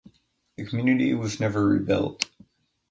The community was never rebuilt.